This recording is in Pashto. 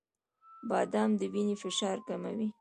• بادام د وینې فشار کموي.